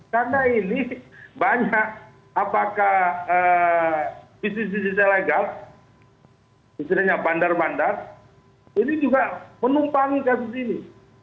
karena ini banyak apakah bisnis bisnis ilegal istilahnya bandar bandar ini juga menumpangi ke sini